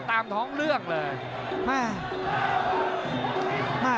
โดนท่องโดนท่องมีอาการ